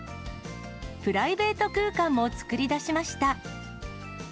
プライベート空間も作り出しました。